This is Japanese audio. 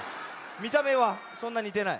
みためはそんなにてない。